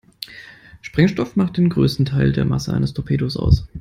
Sprengstoff macht den größten Teil der Masse eines Torpedos aus.